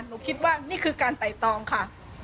หนูคิดว่านี่คือการไต่ตองค่ะ